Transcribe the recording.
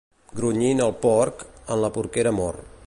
Grunyint el porc, en la porquera mor.